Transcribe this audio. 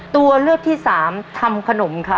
ตัวเลือกที่สามทำขนมค่ะ